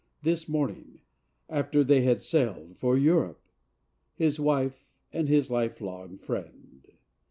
This morning —after they had sailed for Europe! His wife and his life long friend